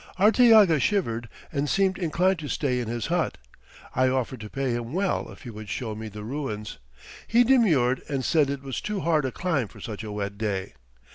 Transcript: Arteaga shivered and seemed inclined to stay in his hut. I offered to pay him well if he would show me the ruins. He demurred and said it was too hard a climb for such a wet day.